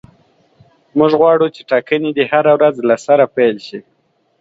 موږ غواړو چې ټاکنې دې هره ورځ له سره پیل شي.